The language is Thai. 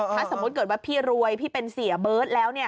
ถ้าสมมุติเกิดว่าพี่รวยพี่เป็นเสียเบิร์ตแล้ว